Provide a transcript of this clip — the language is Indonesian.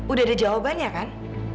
udah ada jawabannya kan